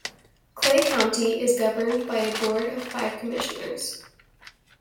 Clay County is governed by a board of five commissioners.